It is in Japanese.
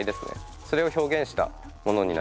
それを表現したものになります。